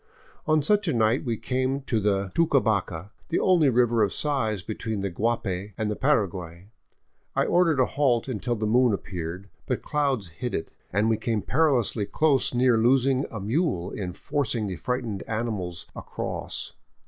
On such a night we came to the Tucabaca, the only river of size between the Guapay and the Paraguay. I ordered a halt until the moon appeared, but clouds hid it, and we came perilously near losing a mule in forcing the frightened animals across.